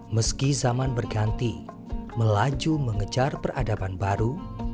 meski zaman berganti melaju mengejar peradaban baru